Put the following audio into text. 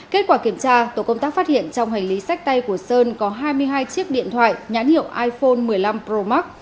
kết quả kiểm tra tổ công tác phát hiện trong hành lý sách tay của sơn có hai mươi hai chiếc điện thoại nhãn hiệu iphone một mươi năm pro max